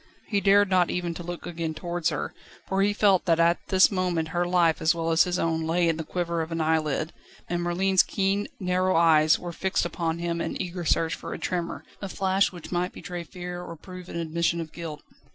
He dared not even to look again towards her, for he felt that at this moment her life as well as his own lay in the quiver of an eyelid; and Merlin's keen, narrow eyes were fixed upon him in eager search for a tremor, a flash, which might betray fear or prove an admission of guilt.